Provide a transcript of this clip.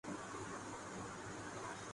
شائستہ طنز کو بھی محسوس کیا جاسکتا ہے